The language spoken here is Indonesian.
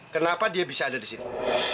kenapa dia bisa ada di sini